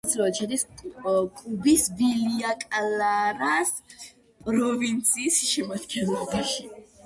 ადმინისტრაციულად შედის კუბის ვილია-კლარას პროვინციის შემადგენლობაში.